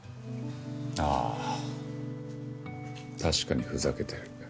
ああ確かにふざけてる。